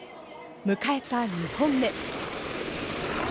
迎えた２本目。